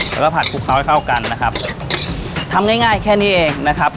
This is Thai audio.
แล้วก็ผัดคลุกเขาให้เข้ากันนะครับทำง่ายง่ายแค่นี้เองนะครับ